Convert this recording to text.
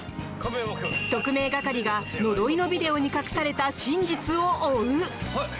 特命係が呪いのビデオに隠された真実を追う。